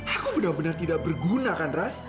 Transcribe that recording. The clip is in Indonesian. aku benar benar tidak berguna kan raz